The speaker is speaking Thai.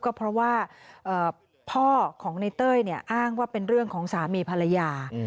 ก็เพราะว่าพ่อของในเต้ยอ้างว่าเป็นเรื่องของสามีภรรยา